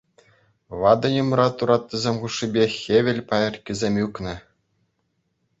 Ватӑ йӑмра тураттисем хушшипе хӗвел пайӑркисем ӳкнӗ.